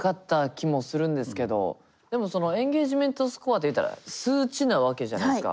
でもそのエンゲージメントスコアって言うたら数値なわけじゃないっすか。